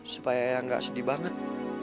supaya ayang gak sedih banget